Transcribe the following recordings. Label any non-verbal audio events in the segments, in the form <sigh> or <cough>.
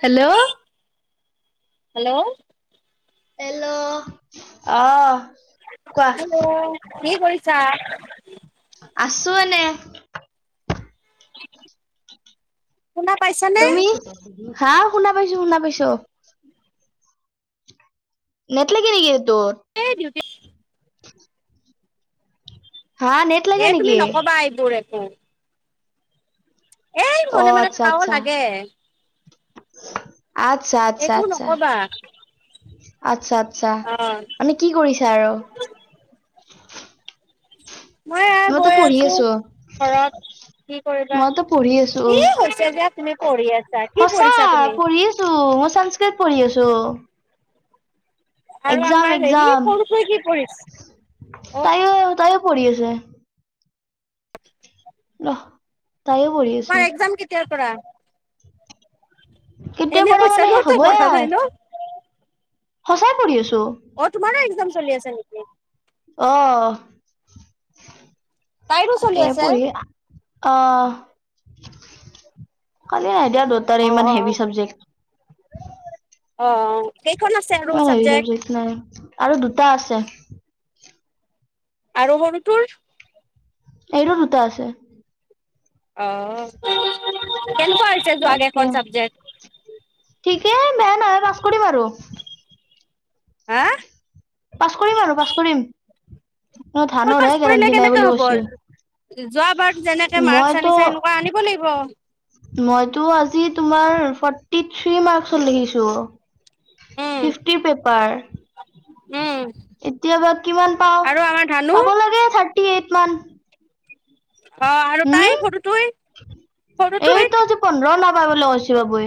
Hello. Hello. এল। অহ কোৱা? কি কৰিছা? আছো এনে। শুনা পাইছানে। তুমি হা, শুনা পাইছো শুনা পাইছো। নেটলাগে নেকি এইটোত? <unintelligible> <inaudible> হা, নেট লাগে নেকি? হয়। এই অ মনে মনে আচ্ছা থাকা অ' আচ্ছা লাগে। আচ্ছা, আচ্ছা, এইবোৰ আচ্ছা। নকবা আচ্ছা আচ্ছা অ মানে কি কৰিছা আৰু মই এ মইতো গৈ পঢ়ি আছোঁ আছো ঘৰত কৰিবা মইতো পঢ়ি আছোঁ কি হৈছে যে তুমি পঢ়ি আছা কি সঁচা পঢ়িছা তুমি পঢ়ি আছোঁ মই সংস্কৃত পঢ়ি আছোঁ আৰু আমাৰ হেৰি এক্জাম সৰুকৈ কি পঢ়িছে তাইও তাইও পঢ়ি আছে ৰহ তাইও পঢ়ি আছে তোমাৰ এক্জাম কেতিয়াৰ পৰা কেতিয়াৰ এনে পৰা কৈছা মানে শেষ ন তই হ'বই পঢ়া নাই আৰ ন সঁচাই পঢ়ি আছোঁ অ তোমাৰে এক্সাম চলি আছে নেকি আহ তাইৰো চলি আছে অ কালি আ দিয়া দোতাৰে অ ইমান অ হেভি চাবজেক্ট অ অ কেইখন আছে আৰু ইমান হেভি চাবজেক্ট চাবজেক নাই আৰু দুটা আছে আৰু সৰু তুৰ এইটো দুটা আছে অ কেনেকুৱা হৈছে যোৱা কেখন চাবজেক্ট কি হে বেয়া নহয় পাছ কৰিম আৰু হা পাছ কৰিম আৰু পাছ কৰিম অকল পাছ ধানৰহে কৰিলে গেৰেণ্টি নাই কেনেকে বুলি হ'ব কৈছে যোৱাবাৰত যেনেকে মাৰ্ক মইতো আনিছে সেনেকুৱা আনিব লাগিব উ মইতো আজি তোমাৰ ফৰ্টি থ্ৰী মাৰ্কচত লিখিছোঁ উম, ফিফটি পেপাৰ উম, এতিয়াবা কিমান পাওঁ আৰু আমাৰ ধানু পাব লে থাৰ থাৰটি এইত মান অ আৰু হম তাই সৰু টোৱে সৰু টোৱে লৈছি পাব হে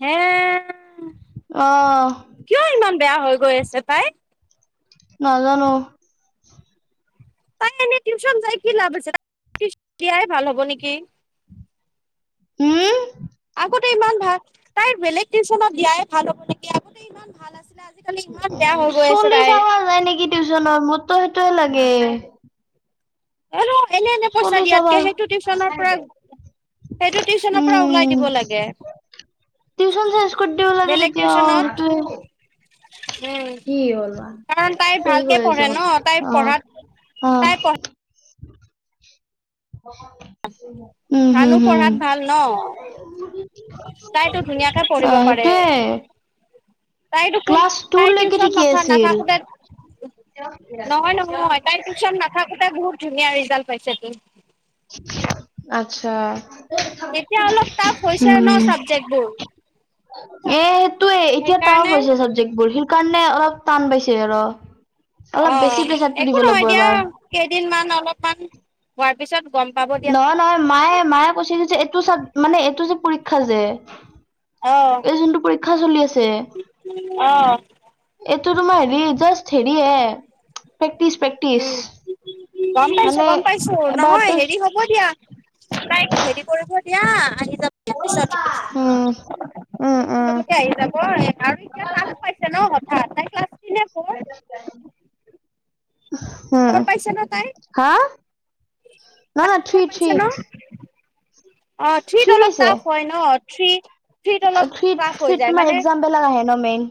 হে কিয় অ ইমান বেয়া হৈ গৈ আছে পাই নাজানো তাই এনে টিউচন যাই কি লাভ হৈছে তাইক টিউচন নিদিয়াই ভাল হ'ব নেকি <inaudible> আগতে ইমান ভাল তাই বেলেগ টিউশ্যচনত দিয়াই ভাল হ'ব নেকি আগতে ইমান ভাল আছিল উ ছোৱলী চাবা যায় নেকি টিউশ্যনত মুত- তো সেইটোয়ে লাগে হেল্ল এনে এনে পইচা চলি চাবা দিয়াতকে সেইটো টিউশ্যনৰ পৰা সেইটো টিউশ্যনৰ পৰা ওলাই উম দিব লাগে। টিউচন চেঞ্জ কৰি দিব লাগে বেলেগ তেতিয়া অ টিউশ্যনত সেইটোয়ে উ কাৰণ তাই কি ভালকে কৈ পঢ়ে আছ ন তাই অ পঢ়াত অ তাই পঢ় - উম হম ভানু হম পঢ়াত ভাল ন তাইতো ধুনীয়াকে পঢ়িব আহ পাৰে সেইটোৱে তাই দেখোন তাই টিউশ্যন নাথা আছিল নাথাকোতে নহয় নহয় তাই টিউশ্যন নাথাক- এটা বহুত ধুনীয়া ৰিজাল্ট পাইছে তো আচ্ছা এতিয়া অলপ টাফ হৈছে ন উম চাবজেক্ট বোৰ এ সেইটোৱে এতিয়া টাফ সেইকাৰণে হৈছে চাবজেক্ট বোৰ সি- কাৰণে অলপ টান পাইছে আৰু অলপ অ বেছি প্ৰেচাৰটো একো দিব লাগিব নহয় দিয়া এবাৰ কেইদিনমান অলপমান হোৱাৰ পিছত গম পাব দিয়া নহ নহয় মায়ে মায়ে কৈছিল যে এইটো চব মানে এইটো চব পৰীক্ষ- ক্ষাজে এই জোনটো পৰীক্ষ- চলি আছে। অহ টো তোমাৰ হেৰি জাষ্ট হেৰি এ ফেক- উ গম পাইছো মানে গম পাইছো নহয় এবাৰতো হেৰি হব দিয়া তাই হেৰি কৰিব এতিয়া আহি যাবি কে পিছতকে উম উম উম পিছলেকে আহি যাব এ আৰু এতিয়া তাছ পাইছে ন সত- আ আটাইক্লাচ <unintelligible> উম ফ'ৰ পাইছে ন তাই হাআ ন ন তাই থ্ৰি ফ'ৰ পাইছে থ্ৰি ন অ থ্ৰিত অলপ টাফ হয় ন থ্ৰি থ্ৰীত থ্ৰীত তোমাৰ এক্সাম বেলেগ আহে ন মেইন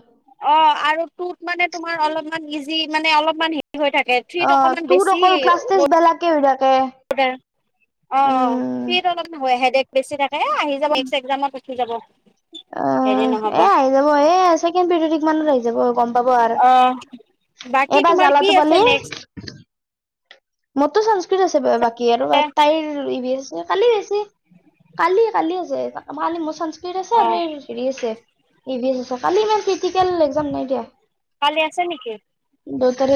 অ', আৰু টুত মানে তোমাৰ অলপ অমান ইজি মানে অলপমান হেৰি হৈ থাকে অ থ্ৰীত অকণমান তোৰ বেছি অকল ক্লাছ ল <unintelligible> <unintelligible> উম হৈ আ হেদেক বেছি থাকে এ আহি যাব, এক <unintelligible> <unintelligible> যাব। হেৰি অঁ, নহ'ব। এ আহি যাব এ ছেকেণ্ড পিৰিয়ড মানত আহি যাব গম পাব আৰ। অ বাকী এইবাৰ তোমাৰ কি জালাতো আছে পালি নেক্সট মইতো সংস্কৃত আছে ব বাকী কি আৰু তাইৰ <unintelligible> কালি কালি- কালি আছে, কালি মোৰ সংস্কৃত আছে অ আৰু এই হেৰি আছে। <unintelligible> কালি ইমান ক্ৰিটিকেল এক্সাম নাই দিয়া। কালি আছে নেকি। দ'তাৰে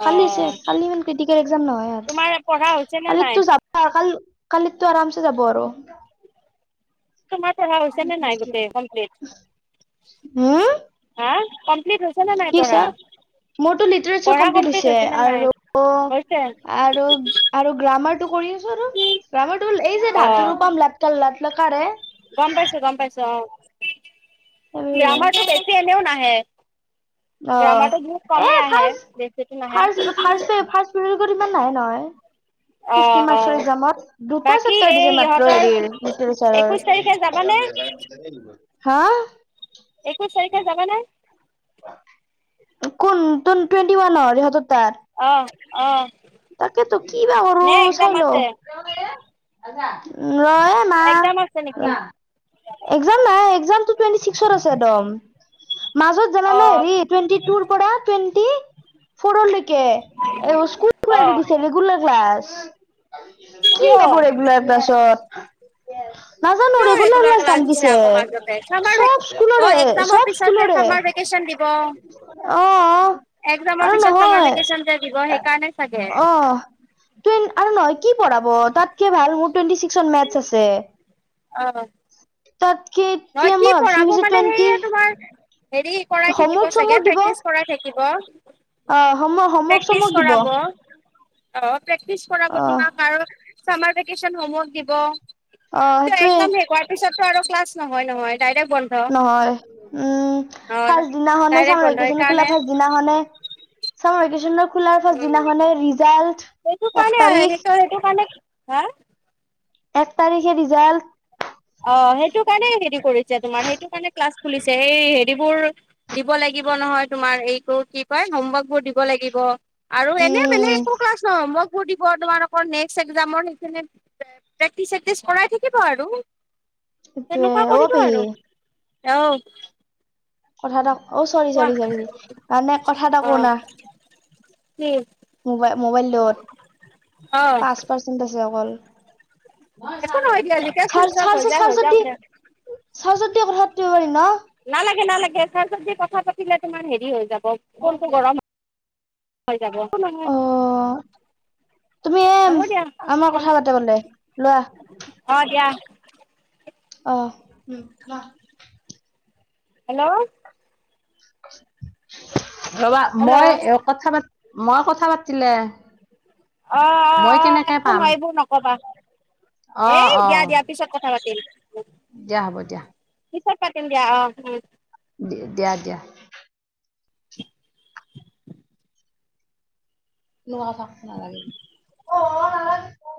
অ কালি আছে, কালি ইমান কৃতি এক্সাম নহয় আৰু, তোমাৰ পঢ়া হৈছে নে নাই কালিতো যাবা কাল কালিতো আৰামছে যাব আৰু। তোমাৰ পঢ়া হৈছে নে নাই কমপ্লীট, হা কমপ্লিট হৈছে নে নাই <unintelligible> পঢ়া মোৰটো লিটেৰেছাৰ পঢ়া কমপ্লিট হৈছে নে নাই হৈছে আৰু- আৰু গ্ৰামাৰ টো কৰি আৰু, গ্ৰামাৰ টো হ'ল এই যে অ ধাতুৰো পাম লাট কাল ল লকাৰে গম পাইছো- গম পাইছো অঁ। এইবোৰ হয়। গ্ৰামাৰতটো বেছি এনেও নাহে। গ্ৰামাৰটো বহুত অ কমেই এ আহে, ফাৰ্ষ্ট বেচিটো নাহে। ফাৰ্ষ্ট ফাৰ্ষ্ট পে <unintelligible> ইমান নহয় নহয়। অ ফিফটি অ মাৰ্ক্সৰ এক্জামত, দুটা বাকী চেপাৰ এই দিছে মাত্ৰ ইহঁতৰ হেৰিৰ, লিটাৰেচাৰ একৈশ তাৰিখে যাবানে ৰ। হা? একৈশ তাৰিখে যাবা নে। কোন তন টুৱেন্টি ৱানৰ ইহতৰ তাৰ অঁ। তাকেতো কি বা কৰো, চাইলও। আছে <unintelligible> ৰয় মা এক্জাম আছে নেকি একজাম নাই একজামটো চিক্সত আছে। একদম মাজত জানানে অ', হেৰি টোৱেন্টী টু পৰা টোৱেন্টী। ফৰলেকে। এই স্কুল। গ অ', দিছে গুললা। ব <unintelligible> কি কিয় কাপঢ এইগলা এ পাছত। তি <unintelligible> কিয? ৰেগোলাৰ ক্লাছ দিছে মাজতে চামাৰ চব স্কুলৰে একজামৰ চব পিছতে স্কুলৰে চামাৰ ভেকেচন অ আৰু নহয় দিব সেইকাৰণে। চাগে অ ত আৰু নহয়। কি পঢ়াব তাতকে ভাল মোৰ টুৱেন্টি ছিক্স মেছ আছে। অহ। তাত। নহ কি পঢ়াব মানে সেয়া তোমাৰ হেৰি কৰাই থাকিব হোমৱৰ্ক চাগে চমৱৰ্ক দিব প্ৰেক্টিচ কৰাই থাকিব। ক। অ হোম হোমৱৰ্ক প্ৰেক্টিচ চমৱৰ্ক দিব কৰাব অ অ প্ৰেক্টিচ কৰাব তোমাক আৰু। চামাৰ ভেকেশচন হোমৱৰ্ক দিব। অ কাৰণ ত সেইটোৱে একজাম শেষৰ হোৱা পিছত। চেৰ ক্লাছ। নহয়, নহয়। ডাইৰেক্ট বন্ধ নহয় উম অ', ফাৰ দিনাখনে ডাইৰেক্ট বন্ধ চাাম খোলা সেইকাৰণে ফাৰ দিনাখনে। চ ৰাখিছন। খুলাৰ ফাৰ্ষট উম দিনাখনে ৰিজাল্ট সেইটো এক কাৰণে তাৰিখ। সেইটো সেইটো কাৰণে হা এক তাৰিখে ৰিজাল্ট। অ সেইটো কাৰণে হেৰি। কৰিছে তোমাৰ সেইটো কাৰণ ক্লাছ। খুলিছে এই হেৰিবোৰ দিব লাগিব নহয়। তোমাৰ এইটো কি কয় হোমৱৰ্ক বোৰ দিব লাগিব। আৰু এনে বেলেগ উম একো ক্লাছ নহয় মই। দিব তোমাৰ নেক্স এক্জামৰ সেই প্ৰেক্টিচ চকটিচ কৰাই থাকিব আৰু। তে অ পেহী। এও। কথা এটা। অ চৰি চৰি চৰি মানে কথা এটা কোনা। উম। মোবাই। মোবাইল দ'ত অ পাঁচ পাৰ্চেন্ট আছে অকল। একো নহয় দিয়া <unintelligible> যেতিয়া চুইচ চাৰ্জ অফ হৈ যায় হৈ চাৰ্জাত যাওক দি দে স্বাজ্বত দি কথা পাতিব পাৰিম ন? নালাগে নালাগে চাৰ্জত দি কথা পাতিলে তোমাৰ হেৰি হৈ যাব ফোনটো গৰম হয় হৈ যাব। নহয় অ তুমি হ'ব এম দিয়া আমাৰ কথা পাতে বোলে লোৱা অ দিয়া। অ। হেল্ল! <unintelligible> ৰবা হেল্ল' অঁ মই কথা পাতি মই কথা পাতিলে। অ অ অ একো নহয় এইবোৰ নকবা। এ দিয়া দিয়া পিছত কথা পাতিম। হে'ল্ল দিয়া হ'ব দিয়া। পিছত পাতিম দিয়া অ অ। দিয়া-দিয়া। <unintelligible> নোৱাৰা নালাগে